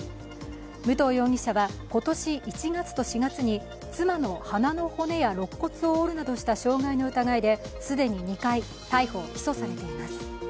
武藤容疑者は、今年１月と４月に妻の鼻の骨やろっ骨を折るなどした傷害の疑いで既に２回、逮捕・起訴されています。